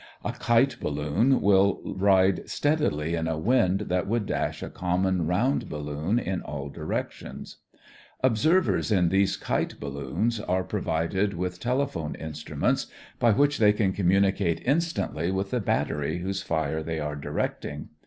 A kite balloon will ride steadily in a wind that would dash a common round balloon in all directions. Observers in these kite balloons are provided with telephone instruments by which they can communicate instantly with the battery whose fire they are directing.